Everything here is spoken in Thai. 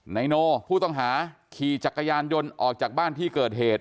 นายโนผู้ต้องหาขี่จักรยานยนต์ออกจากบ้านที่เกิดเหตุ